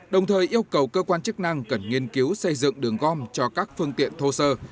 đồng thời yêu cầu cơ quan chức năng cần nghiên cứu xây dựng đường gom cho các phương tiện thô sơ